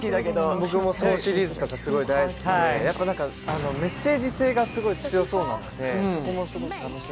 僕も「ソウ」シリーズとかすごい大好きで、メッセージ性がすごい強そうなのでそこも楽しみ。